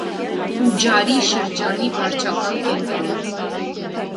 Ուջարի շրջանի վարչական կենտրոն։